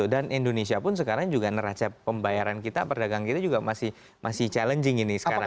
dan indonesia pun sekarang juga nerajap pembayaran kita perdagangan kita juga masih challenging ini sekarang